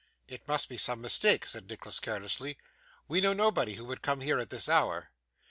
'It must be some mistake,' said Nicholas, carelessly. 'We know nobody who would come here at this hour.